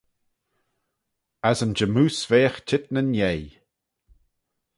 As yn jymmoose veagh çheet nyn yeih.